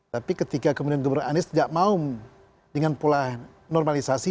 tapi ketika kemudian gubernur anies tidak mau dengan pola normalisasi